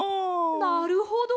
なるほど！